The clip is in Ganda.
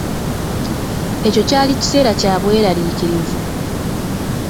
Ekyo kyali kiseera kyabwerariikirivu.